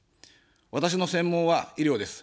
私の専門は医療です。